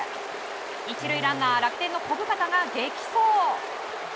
１塁ランナー楽天の小深田が激走。